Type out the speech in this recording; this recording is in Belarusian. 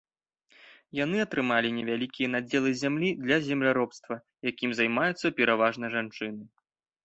Яны атрымалі невялікія надзелы зямлі для земляробства, якім займаюцца пераважна жанчыны.